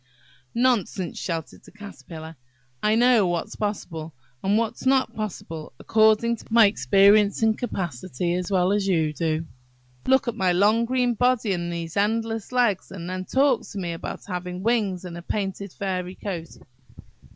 "Nonsense!" shouted the Caterpillar. "I know what's possible, and what's not possible, according to my experience and capacity, as well as you do. Look at my long green body and these endless legs, and then talk to me about having wings and a painted feathery coat!